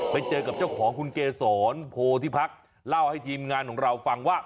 ไปเจอกับเจ้าของคุณเกษรโพธิพักษ์เล่าให้ทีมงานของเราฟังว่า